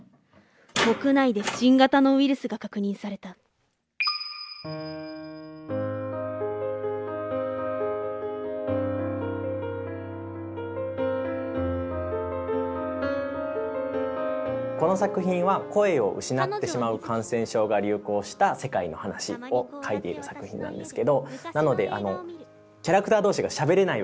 国内で新型のウイルスが確認されたこの作品は声を失ってしまう感染症が流行した世界の話を描いている作品なんですけどなのでキャラクター同士がしゃべれないわけです。